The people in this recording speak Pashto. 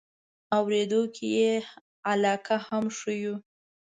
اورېدو کې یې علاقه هم ښیو.